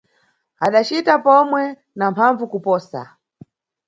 – Adacita pomwe, na mphambvu kuposa.